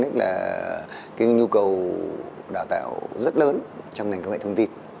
cái nhu cầu đào tạo rất lớn trong ngành công nghệ thông tin